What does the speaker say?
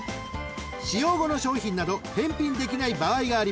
［使用後の商品など返品できない場合があります］